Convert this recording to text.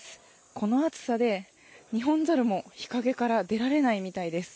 この暑さで、ニホンザルも日陰から出られないみたいです。